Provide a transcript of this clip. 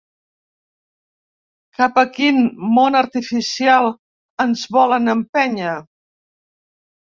Cap a quin món artificial ens volen empènyer?